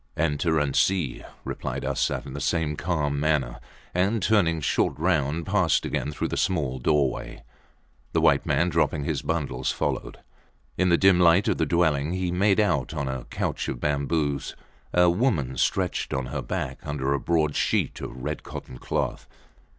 Enter and see, replied Arsat, in the same calm manner, and turning short round, passed again through the small doorway. The white man, dropping his bundles, followed. In the dim light of the dwelling he made out on a couch of bamboos a woman stretched on her back under a broad sheet of red cotton cloth.